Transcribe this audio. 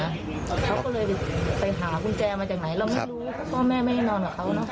เขาก็เลยไปหากุญแจมาจากไหนเราไม่รู้พ่อแม่ไม่ได้นอนกับเขาเนอะ